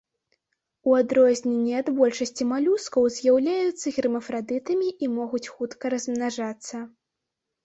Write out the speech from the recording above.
У адрозненне ад большасці малюскаў з'яўляюцца гермафрадытамі і могуць хутка размнажацца.